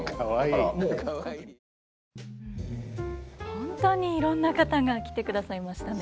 本当にいろんな方が来てくださいましたね。